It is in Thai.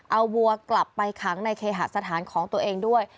เอาวัวกลับไปขังในเคหสถานของตัวเองด้วย